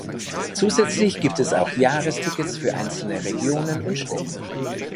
Zusätzlich gibt es auch Jahres-Tickets für einzelne Regionen und Städte.